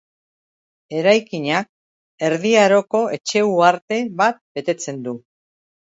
Eraikinak Erdi Aroko etxe-uharte bat betetzen du.